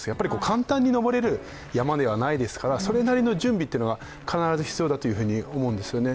簡単に登れる山ではないですからそれなりの準備は必ず必要だと思うんですよね